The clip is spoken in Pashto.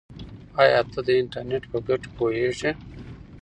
آیا ته د انټرنیټ په ګټو پوهېږې؟